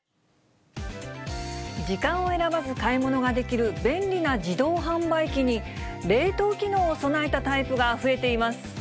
時間を選ばず買い物ができる便利な自動販売機に、冷凍機能を備えたタイプが増えています。